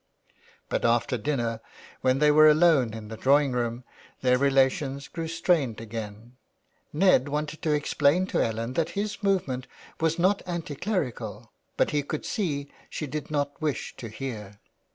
352 THE WILD GOOSE. But after dinner when they were alone in the drawing room their relations grew strained again. Ned wanted to explain to Ellen that his movement was not anti clerical, but he could see she did not wish to hear.